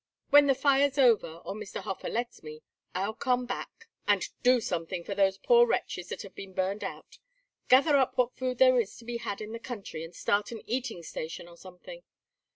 When the fire's over, or Mr. Hofer lets me, I'll come back and do something for those poor wretches that have been burned out. Gather up what food there is to be had in the country, and start an eating station or something.